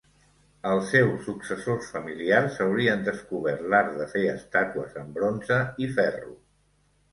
Els seus successors familiars haurien descobert l'art de fer estàtues en bronze i ferro.